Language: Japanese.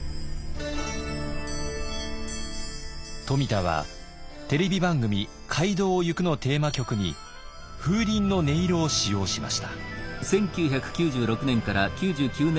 冨田はテレビ番組「街道をゆく」のテーマ曲に風鈴の音色を使用しました。